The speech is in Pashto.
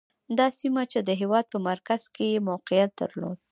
دا سیمه چې د هېواد په مرکز کې یې موقعیت درلود.